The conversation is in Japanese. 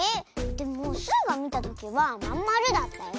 でもスイがみたときはまんまるだったよ。